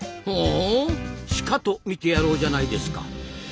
ほうシカと見てやろうじゃないですか。